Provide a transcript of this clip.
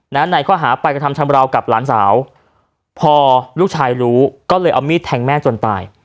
ในข้อหาไปกระทำชำราวกับหลานสาวพอลูกชายรู้ก็เลยเอามีดแทงแม่จนตาย